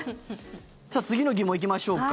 さあ、次の疑問行きましょうか。